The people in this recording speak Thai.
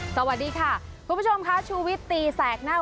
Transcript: สวัสดีค่ะคุณผู้ชมค่ะชูวิตตีแสกหน้า